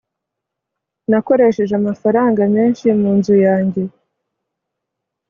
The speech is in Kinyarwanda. nakoresheje amafaranga menshi munzu yanjye